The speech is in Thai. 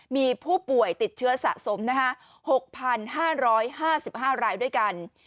มีผู้ป่วยติดเชื้อสะสมนะคะหกพันห้าร้อยห้าสิบห้ารายด้วยกัน